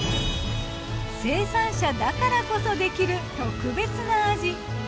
生産者だからこそできる特別な味。